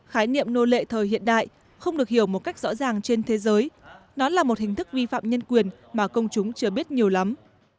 khái niệm nô lệ thời hiện đại không được hiểu một cách rõ ràng trên thế giới nó là một hình thức vi phạm nhân quyền mà công chúng chưa biết nhiều lắm